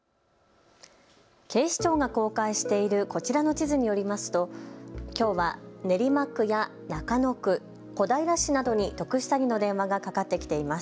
警視庁が公開しているこちらの地図によりますときょうは練馬区や中野区、小平市などに特殊詐欺の電話がかかってきています。